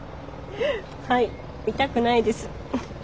はい痛くないです。